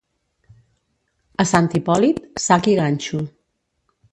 A Sant Hipòlit, sac i ganxo.